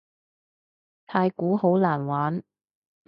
太鼓好難玩